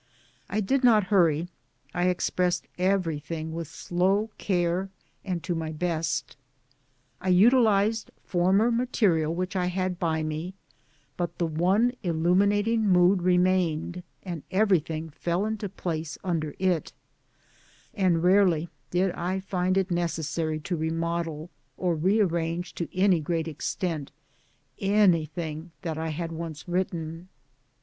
I did not hurry ; I expressed everything BRAD WAY AND TOWARDS DEMOCRACY 107 with slow care and to my best ; I utilized former material which I had by me but the one illuminating mood remained and everything fell into place under it ; and rarely did I find it necessary to remodel, or rearrange to any great extent, anything that I had once written.